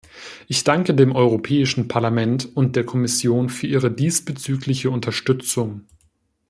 Ich danke dem Europäischen Parlament und der Kommission für ihre diesbezügliche Unterstützung.